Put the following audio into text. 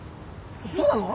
そうなの？